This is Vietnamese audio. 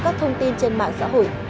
các thông tin trên mạng xã hội